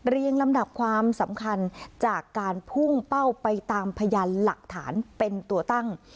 ลำดับความสำคัญจากการพุ่งเป้าไปตามพยานหลักฐานเป็นตัวตั้ง